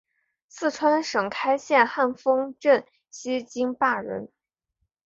四川省开县汉丰镇西津坝人。